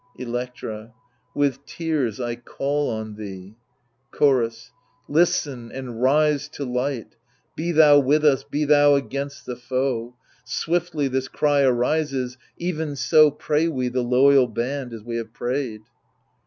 Electra With tears I call on thee. Chorus Listen and rise to light ! Be thou with us, "be thou against the foe 1 Swiftly this cry arises — even so Pray we, the loyal band, as we have prayed